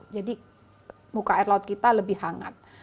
jadi muka air laut kita lebih hangat